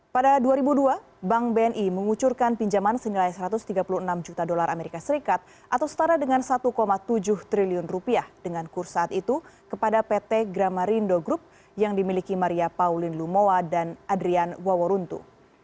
pada dua ribu dua bank bni mengucurkan pinjaman senilai satu ratus tiga puluh enam juta dolar amerika serikat atau setara dengan satu tujuh triliun rupiah dengan kurs saat itu kepada pt gramarindo group yang dimiliki maria pauline lumowa dan adrian waworuntu